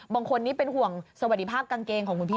บางคนนี้เป็นห่วงสวัสดิภาพกางเกงของคุณพี่